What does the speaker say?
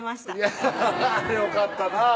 アハハハッよかったなぁ